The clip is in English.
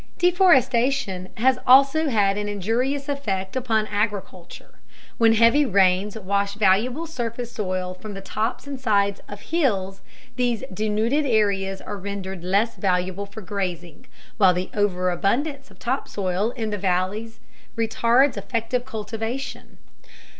Deforestation has also an injurious effect upon agriculture. When heavy rains wash valuable surface soil from the tops and sides of hills these denuded areas are rendered less valuable for grazing, while the overabundance of top soil in the valleys retards effective cultivation.